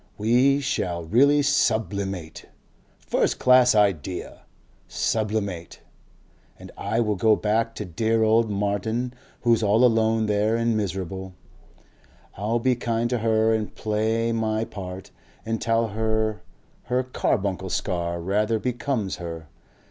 We shall really SUBLIMATE.... First class idea sublimate!.... And I will go back to dear old Martin who's all alone there and miserable; I'll be kind to her and play my part and tell her her Carbuncle scar rather becomes her....